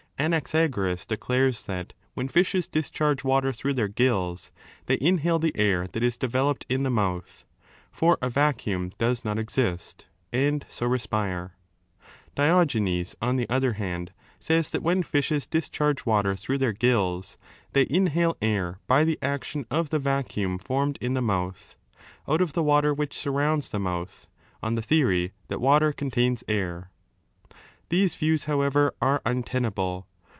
Anaxagoras declares that when 471a fishes discharge water through their gills, they inhale the air that is developed in the mouth (for a vacuum does not exist), and so respire. Diogenes, on the other hand, says that when fishes discharge water through their gills, they inhale air by the action of the vacuum formed in the mouth, out of the water which surrounds the mouth, on the theory that water contains air. 3 These views, however, are untenable.